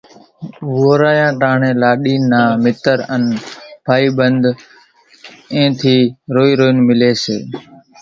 وورايا ٽاڻيَ لاڏِي نان مِتر انين ڀائِي ٻنڌ اين ٿِي روئِي روئينَ مِليَ سي۔